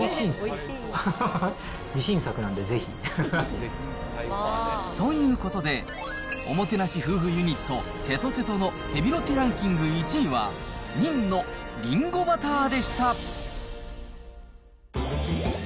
自信作なんで、ぜひ。ということで、おもてなし夫婦ユニット、てとてとのヘビロテランキング１位は、ニンのりんごバターでした。